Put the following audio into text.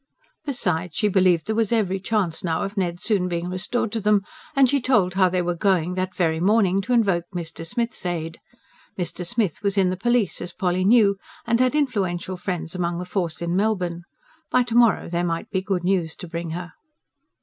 Besides, she believed there was every chance now of Ned soon being restored to them; and she told how they were going, that very morning, to invoke Mr. Smith's aid. Mr. Smith was in the Police, as Polly knew, and had influential friends among the Force in Melbourne. By to morrow there might be good news to bring her.